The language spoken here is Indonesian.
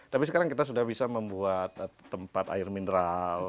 tapi sekarang kita sudah bisa membuat tempat air mineral